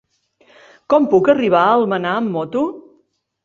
Com puc arribar a Almenar amb moto?